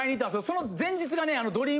その前日がねあの。